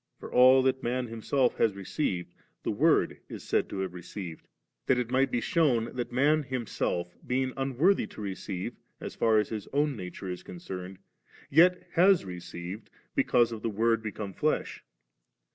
For all that man himself has received, the Word is said to have received '<>; that it might be shewn, that man himseli^ being un worthy to receive, as far as his own nature is concerned, yet has received because of the W<Mrd become flesh.